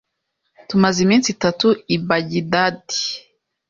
Tumaze iminsi itatu i Bagidadi.